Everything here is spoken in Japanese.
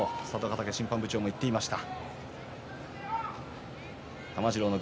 嶽審判長は言っていました。